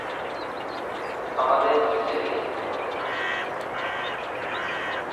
আমাদের নিচের দিকে যেতে হবে।